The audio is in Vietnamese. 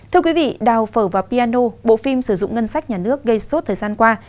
thưa quý vị đào phở và piano bộ phim sử dụng ngân sách nhà nước gây sốt thời gian qua